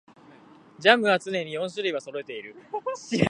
ジャムは常に四種類はそろえている